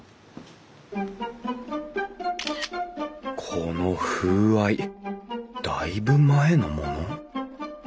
この風合いだいぶ前のもの？